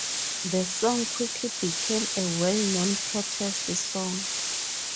The song quickly became a well-known protest song.